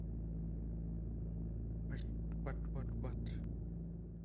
The series stars Richard Carlson.